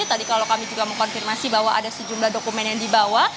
tadi kalau kami juga mengkonfirmasi bahwa ada sejumlah dokumen yang dibawa